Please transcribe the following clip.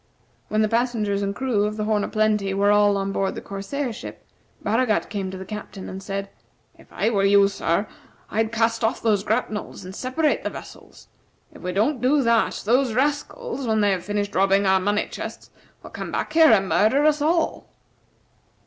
When the passengers and crew of the "Horn o' Plenty" were all on board the corsair ship, Baragat came to the Captain, and said: "If I were you, sir, I'd cast off those grapnels, and separate the vessels. If we don't do that those rascals, when they have finished robbing our money chests, will come back here and murder us all."